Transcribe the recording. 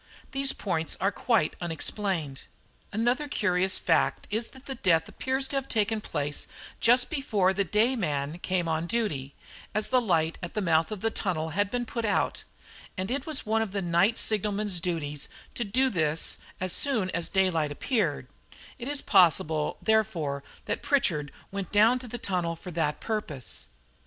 These points are quite unexplained. Another curious fact is that death appears to have taken place just before the day man came on duty, as the light at the mouth of the tunnel had been put out, and it was one of the night signalman's duties to do this as soon as daylight appeared; it is possible, therefore, that Pritchard went down to the tunnel for that purpose.